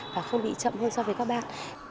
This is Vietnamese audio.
và không bị chậm hơn so với các bạn